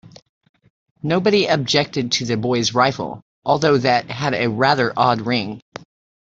Nobody objected to the Boys rifle, although that had a rather odd ring.